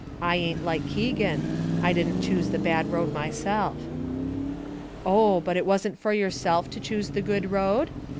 I ain't like Keegan. I didn't choose the bad road myself." "Oh, but isn't it for yourself to choose the good road?